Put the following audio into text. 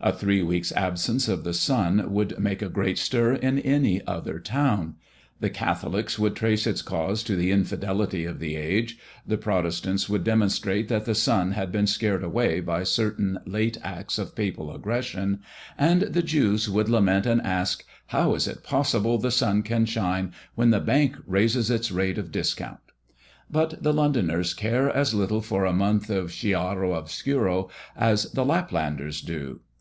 A three weeks' absence of the sun would make a great stir in any other town. The Catholics would trace its cause to the infidelity of the age; the Protestants would demonstrate that the sun had been scared away by certain late acts of Papal aggression; and the Jews would lament and ask: "How is it possible the sun can shine when the Bank raises its rate of discount?" But the Londoners care as little for a month of chiaro oscuro as the Laplanders do.